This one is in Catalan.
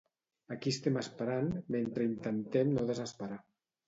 Aquí estem esperant, mentre intentem no desesperar.